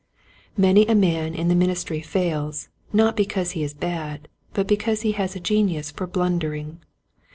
Many a man in the ministry fails, not because he is bad, but because he has a genius for blunder ing.